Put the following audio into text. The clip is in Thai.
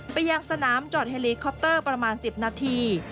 ไปยังสนามจอดเฮลีคอปเตอร์ประมาณ๑๐นาที